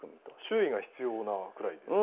注意が必要なぐらいですか。